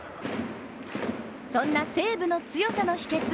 そんな西武の強さの秘けつ